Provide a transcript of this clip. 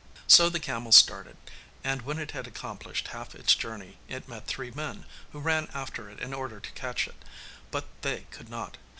So the camel started, and when it had accomplished half its journey it met three men, who ran after it in order to catch it; but they could not.